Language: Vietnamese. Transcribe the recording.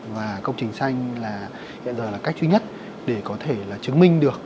và công trình xanh hiện giờ là cách duy nhất để có thể chứng minh được